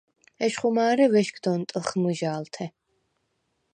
ეშხუ მა̄რე ვეშგდ ონტჷხ მჷჟა̄ლთე.